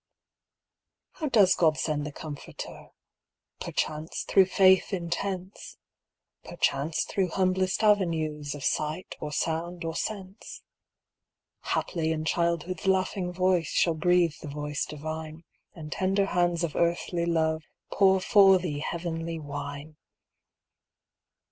How does God send the Comforter ? Perchance through faith intense ; Perchance through humblest avenues Of sight, or sound, or sense. Haply in childhood's laughing voice Shall breathe the voice divine. And tender hands of earthly love Pour for thee heavenly wine